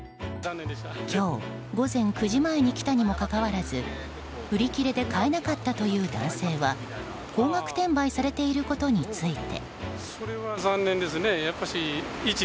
今日午前９時前に来たにもかかわらず売り切れで買えなかったという男性は高額転売されていることについて。